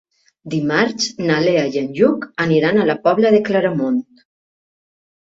Dimarts na Lea i en Lluc aniran a la Pobla de Claramunt.